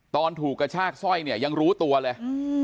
ตอนถูกกระชากสร้อยยังรู้ตัวเลย